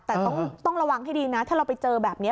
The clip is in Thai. แต่ต้องระวังให้ดีนะถ้าเราไปเจอแบบนี้